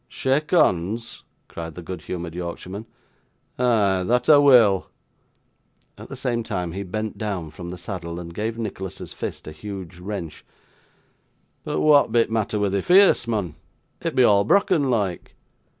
'Shake honds!' cried the good humoured Yorkshireman; 'ah! that I weel;' at the same time, he bent down from the saddle, and gave Nicholas's fist a huge wrench: 'but wa'at be the matther wi' thy feace, mun? it be all brokken loike.